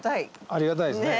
ありがたいですね